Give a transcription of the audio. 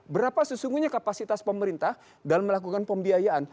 berapa sesungguhnya kapasitas pemerintah dalam melakukan pembiayaan